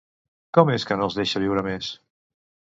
Com és que no el deixa viure més?